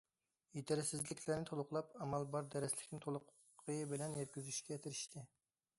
يېتەرسىزلىكلەرنى تولۇقلاپ، ئامال بار دەرسلىكنى تولۇقى بىلەن يەتكۈزۈشكە تىرىشتى.